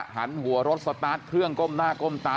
หันหัวรถสตาร์ทเครื่องก้มหน้าก้มตา